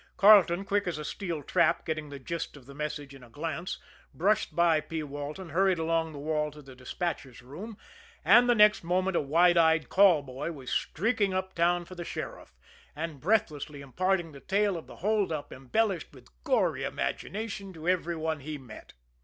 Carleton, quick as a steel trap, getting the gist of the message in a glance, brushed by P. Walton, hurried along the hall to the despatchers' room and the next moment a wide eyed call boy was streaking uptown for the sheriff, and breathlessly imparting the tale of the hold up, embellished with gory imagination, to every one he met.